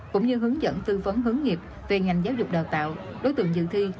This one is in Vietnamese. cũng như hướng dẫn tư vấn hướng nghiệp về ngành giáo dục đào tạo đối tượng dự thi